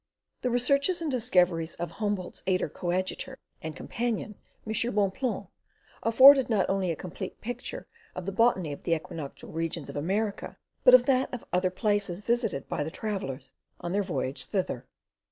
The researches and discoveries of Humboldt's able coadjutor and companion, M. Bonpland, afford not only a complete picture of the botany of the equinoctial regions of America, but of that of other places visited by the travellers on their voyage thither.